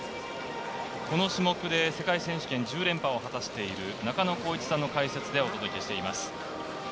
この種目で世界選手権１０連覇を果たしている中野浩一さんの解説でお届けしています。